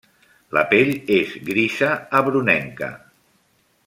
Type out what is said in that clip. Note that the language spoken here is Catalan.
La pell és grisa a brunenca.